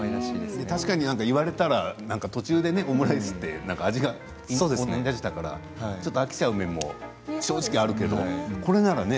確かに言われたら途中でねオムライスってなんか味が同じだからちょっと飽きちゃう面も正直あるけどこれならね。